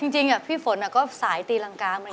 จริงพี่ฝนก็สายตีรังกามา